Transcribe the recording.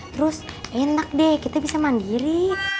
terus enak deh kita bisa mandiri